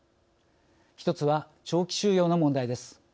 １つは長期収容の問題です。